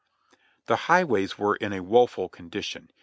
The highways were in a woeful condition.